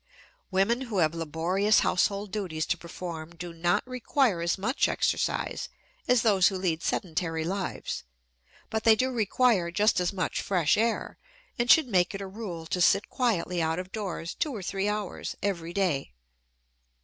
Women who have laborious household duties to perform do not require as much exercise as those who lead sedentary lives; but they do require just as much fresh air, and should make it a rule to sit quietly out of doors two or three hours every day.